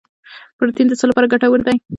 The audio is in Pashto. پروټین د څه لپاره ګټور دی